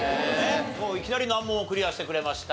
もういきなり難問をクリアしてくれました。